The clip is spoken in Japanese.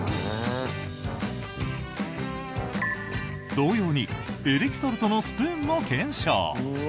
同様にエレキソルトのスプーンも検証！